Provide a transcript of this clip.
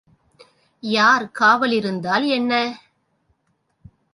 யார் காவல் இருந்தால் என்ன?